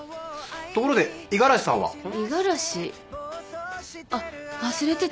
ところで五十嵐さんは？五十嵐。あっ忘れてた。